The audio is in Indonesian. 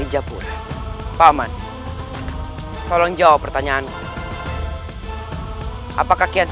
ibu nda sudah merasa baikan